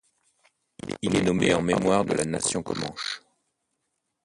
Il est nommé en mémoire de la nation comanche.